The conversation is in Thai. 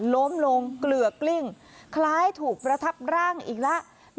ล้มลงเกลือกกลิ้งคล้ายถูกประทับร่างอีกแล้ว